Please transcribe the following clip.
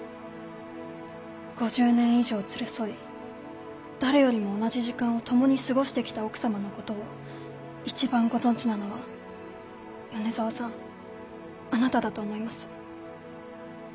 ５０年以上連れ添い誰よりも同じ時間を共に過ごしてきた奥さまのことを一番ご存じなのは米沢さんあなただと思います。